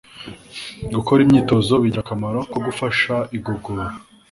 Gukora imyitozo bigira akamaro ko gufasha igogora